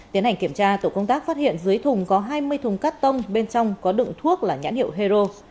tiến hành kiểm tra tổ công tác phát hiện dưới thùng có hai mươi thùng cắt tông bên trong có đựng thuốc là nhãn hiệu hero